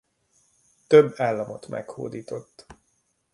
Több államot meghódított.